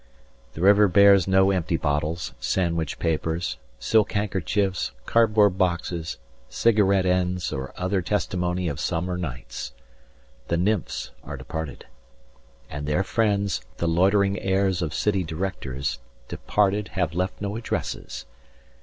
The river bears no empty bottles, sandwich papers, Silk handkerchiefs, cardboard boxes, cigarette ends Or other testimony of summer nights. The nymphs are departed. And their friends, the loitering heirs of city directors; 180 Departed, have left no addresses.